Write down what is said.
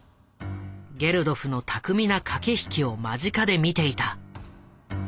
ゲルドフの巧みな駆け引きを間近で見ていた。